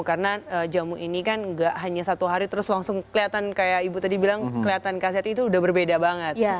karena jamu ini kan gak hanya satu hari terus langsung kelihatan kayak ibu tadi bilang kelihatan kesehatan itu udah berbeda banget